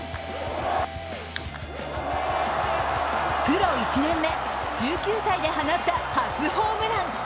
プロ１年目、１９歳で放った初ホームラン。